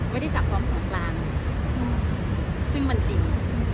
ไม่ได้จับพร้อมของกลางซึ่งมันจริง